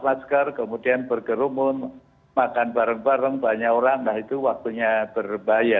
masker kemudian berkerumun makan bareng bareng banyak orang nah itu waktunya berbahaya